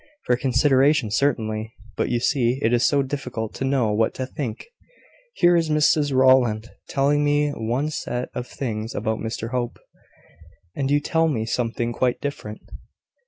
"For consideration, certainly. But, you see, it is so difficult to know what to think. Here is Mrs Rowland telling me one set of things about Mr Hope, and you tell me something quite different."